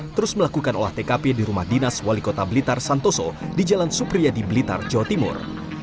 terus melakukan olah tkp di rumah dinas wali kota blitar santoso di jalan supriyadi blitar jawa timur